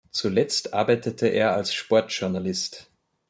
Zuletzt arbeitete er als Sportjournalist.